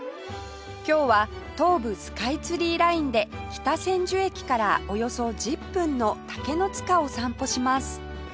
今日は東武スカイツリーラインで北千住駅からおよそ１０分の竹ノ塚を散歩します